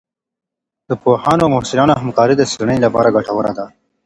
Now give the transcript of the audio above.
د پوهانو او محصلانو همکارۍ د څېړنې لپاره ګټوره ده.